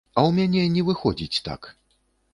А ў мяне не выходзіць так.